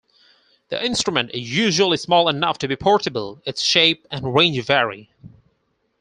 The instrument is usually small enough to be portable; its shape and range vary.